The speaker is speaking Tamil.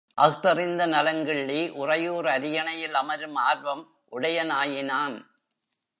அஃதறிந்த நலங்கிள்ளி உறையூர் அரியணை யில் அமரும் ஆர்வம் உடையனாயினான்.